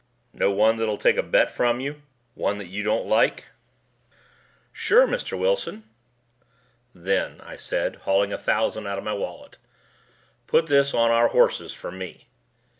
"Know one that'll take a bet from you one that you don't like?" "Sure, Mr. Wilson." "Then," I said hauling a thousand out of my wallet, "Put this on our horses for me."